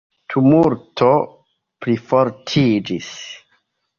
Tumulto plifortiĝis.